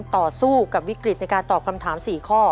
ต่อสู้กับวิกฤตในการตอบคำถาม๔ข้อ